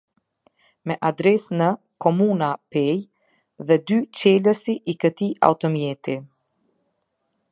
Me adresë në, Komuna Pejë, dhe dy Çelësi i këtij automjeti.